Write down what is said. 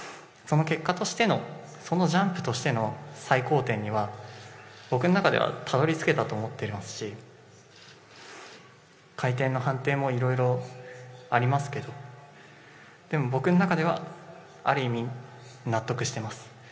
その結果としてのそのジャンプとしての最高点には僕の中ではたどり着けたと思っていますし、回転の判定もいろいろありますけれども、でも僕の中では、ある意味、納得しています。